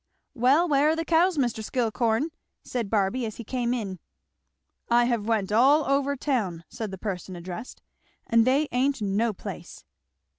"Well where are the cows, Mr. Skillcorn?" said Barby as he came in. "I have went all over town," said the person addressed, "and they ain't no place."